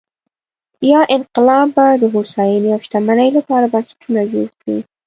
ایا انقلاب به د هوساینې او شتمنۍ لپاره بنسټونه جوړ کړي؟